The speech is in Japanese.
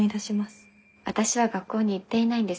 私は学校に行っていないんです。